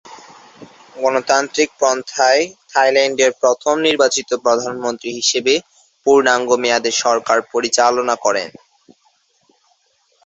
গণতান্ত্রিক পন্থায় থাইল্যান্ডের প্রথম নির্বাচিত প্রধানমন্ত্রী হিসেবে পূর্ণাঙ্গ মেয়াদে সরকার পরিচালনা করেন।